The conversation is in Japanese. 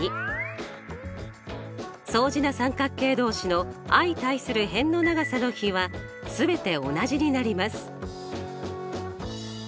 相似な三角形同士の相対する辺の長さの比は全て同じになります。